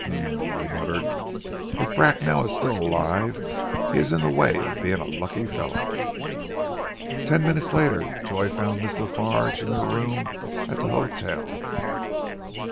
"Um!" he muttered, "if Bracknell is still alive he is in the way of being a lucky fellow." Ten minutes later Joy found Miss La Farge in their room at the hotel.